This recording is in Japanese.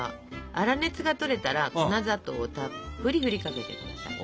粗熱がとれたら粉砂糖をたっぷり振りかけてくださいな。